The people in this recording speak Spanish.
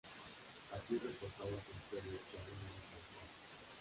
Así reforzaba su imperio que aún no era tan fuerte.